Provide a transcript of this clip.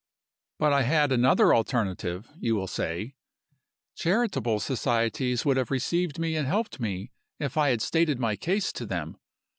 But I had another alternative (you will say). Charitable societies would have received me and helped me, if I had stated my case to them.